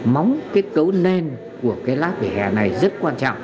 móng kết cấu nền của cái lá vỉa hè này rất quan trọng